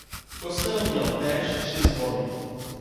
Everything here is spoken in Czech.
Kostel měl též tři zvony.